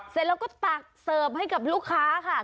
เสร็จแล้วก็ตักเสิร์ฟให้กับลูกค้าค่ะ